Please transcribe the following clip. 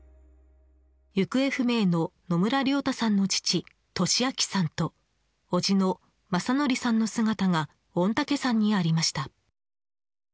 行方不明の野村亮太さんの父敏明さんとおじの正則さんの姿が御嶽山にありました。